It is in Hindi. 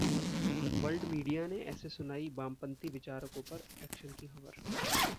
वर्ल्ड मीडिया ने ऐसे सुनाई वामपंथी विचारकों पर एक्शन की खबर